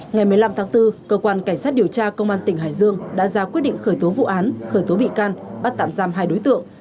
ngày một mươi năm tháng bốn cơ quan cảnh sát điều tra công an tỉnh hải dương đã ra quyết định khởi tố vụ án khởi tố bị can bắt tạm giam hai đối tượng